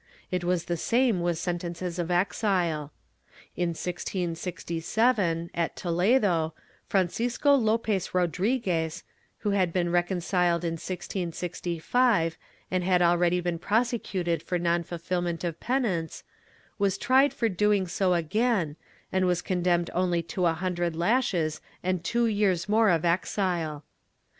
^ It was the same with sentences of exile. In 1667, at Toledo, Francisco L6pez Rodriguez, who had been reconciled in 1665 and had already been prosecuted for non ful filment of penance, was tried for doing so again, and was con demned only to a hundred lashes and two years more of exile.